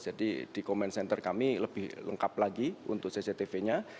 jadi di comment center kami lebih lengkap lagi untuk cctv nya